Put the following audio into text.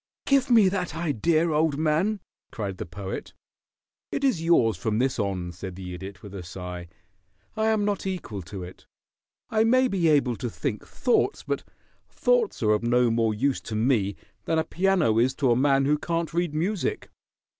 "Give me that idea, old man!" cried the Poet. "It is yours from this on," said the Idiot, with a sigh. "I am not equal to it. I may be able to think thoughts, but thoughts are of no more use to me than a piano is to a man who can't read music.